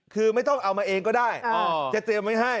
คือไม่ต้องเอามาเองก็ได้จะเตรียมไว้ให้